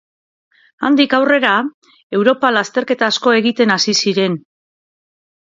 Handik aurrera, Europan lasterketa asko egiten hasi ziren.